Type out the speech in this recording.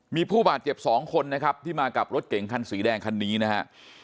มีผู้บาดเจ็บ๒คนนะครับที่มากับรถเก่งคันสีแดงคันนี้นะฮะ